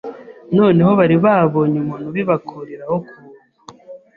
noneho bari babonye umuntu ubibakuriraho ku buntu,